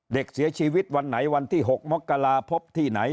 เด็กเสียชีวิตวันไหนวันที่๖มกราพบที่ไหน